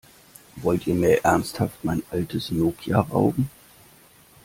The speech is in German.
Wollt ihr mir ernsthaft mein altes Nokia rauben?